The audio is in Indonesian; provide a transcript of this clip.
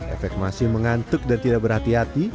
efek masih mengantuk dan tidak berhati hati